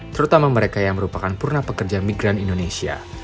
terutama mereka yang merupakan purna pekerja migran indonesia